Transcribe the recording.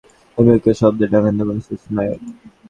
আমি ওকে শব্দের ডানা দেব, মিসেস নায়ার।